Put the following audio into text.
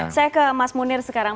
saya ke mas munir sekarang